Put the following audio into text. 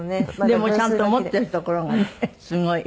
でもちゃんと持ってるところがねすごい。